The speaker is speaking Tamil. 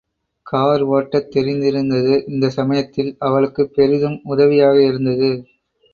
கார் ஓட்டத் தெரிந்திருந்தது இந்தச் சமயத்தில் அவளுக்குப் பெரிதும் உதவியாக இருந்தது.